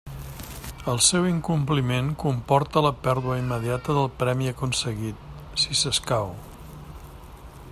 El seu incompliment comporta la pèrdua immediata del premi aconseguit, si s'escau.